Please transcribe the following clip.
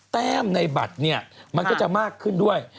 แต้มในบัตรเนี่ยมันก็จะมากขึ้นด้วย